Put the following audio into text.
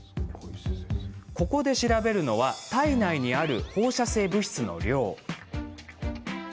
ここで、調べるのは体内にある放射性物質の量。